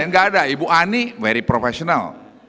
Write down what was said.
nggak ada ibu ani very professional